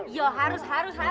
iya harus harus harus